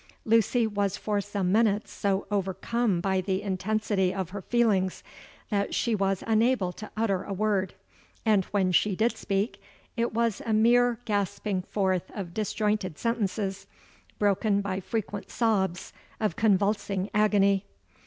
Lucy was for some minutes so overcome by the intensity of her feelings, that she was unable to utter a word; and when she did speak, it was a mere gasping forth of disjointed sentences, broken by frequent sobs of convulsing agony.